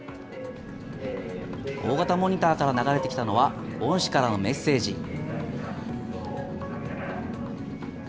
大型モニターから流れてきたのは、恩師からのメッセージ。